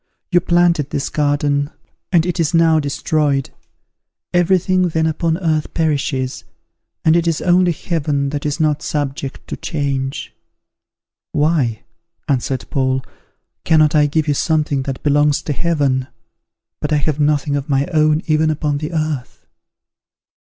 You planted this garden, and it is now destroyed. Every thing then upon earth perishes, and it is only Heaven that is not subject to change." "Why," answered Paul, "cannot I give you something that belongs to Heaven? but I have nothing of my own even upon the earth."